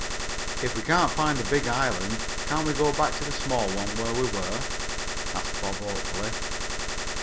"If we can't find the big island, can't we go back to the small one where we were?" asked Bob hopefully.